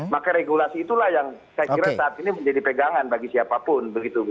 maka regulasi itulah yang saya kira saat ini menjadi pegangan bagi siapapun